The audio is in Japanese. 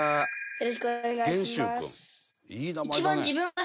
よろしくお願いします。